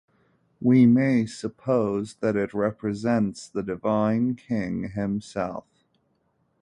We may suppose that it represents the divine king himself.